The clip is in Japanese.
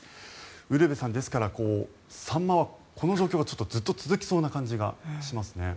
ウルヴェさんですから、サンマはこの状況がずっと続きそうな感じがしますね。